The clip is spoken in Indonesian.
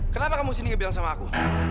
kenapa kamu kesini nggak bilang sama aku